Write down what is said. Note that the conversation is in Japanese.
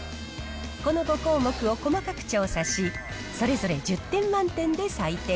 この５項目を細かく調査し、それぞれ１０点満点で採点。